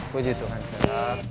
puji tuhan sehat